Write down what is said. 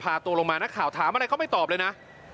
ตัวลงมานักข่าวถามอะไรเขาไม่ตอบเลยนะ